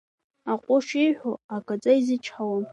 Аҟәыш ииҳәо агаӡа изычҳауам.